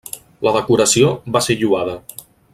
La decoració va ser lloada.